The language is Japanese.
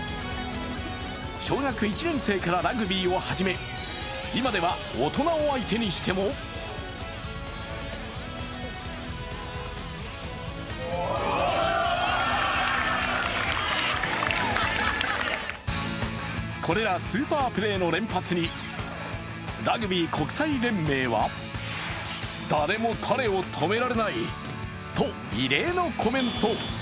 小学１年生からラグビーを始め、今では大人を相手にしてもこれらスーパープレーの連発にラグビー国際連盟はと異例のコメント。